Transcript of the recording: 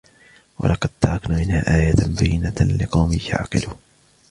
ولقد تركنا منها آية بينة لقوم يعقلون